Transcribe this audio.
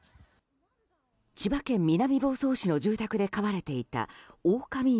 千葉県南房総市の住宅で飼われていたオオカミ犬